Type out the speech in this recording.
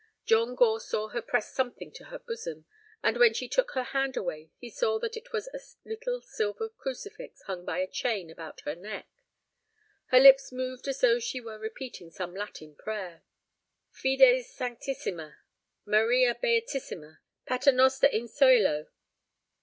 John Gore saw her press something to her bosom, and when she took her hand away he saw that it was a little silver crucifix hung by a chain about her neck. Her lips moved as though she were repeating some Latin prayer. "Fides sanctissima, Maria beatissima, Pater noster in cœlo."